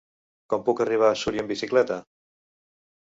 Com puc arribar a Súria amb bicicleta?